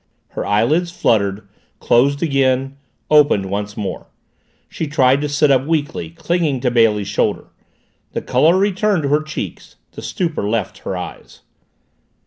Her eyelids fluttered, closed again, opened once more. She tried to sit up, weakly, clinging to Bailey's shoulder. The color returned to her cheeks, the stupor left her eyes.